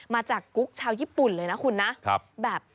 จากกุ๊กชาวญี่ปุ่นเลยนะคุณนะ